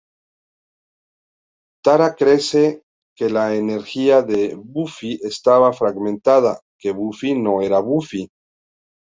Tara cree que la energía de Buffy estaba fragmentada, que Buffy no era Buffy.